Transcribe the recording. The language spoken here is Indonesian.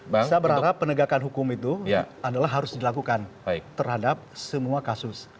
saya berharap penegakan hukum itu adalah harus dilakukan terhadap semua kasus